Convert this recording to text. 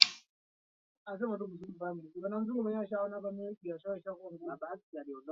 Kuhifadhi mila, tamaduni na itikadi za jamii.